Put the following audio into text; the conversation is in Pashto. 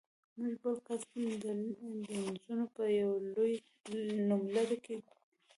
موږ بل کس د لینزونو په یو لوی نوملړ کې ګورو.